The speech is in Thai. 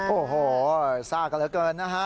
โอ้โหซากกันเหลือเกินนะฮะ